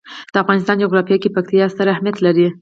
د افغانستان جغرافیه کې پکتیکا ستر اهمیت لري.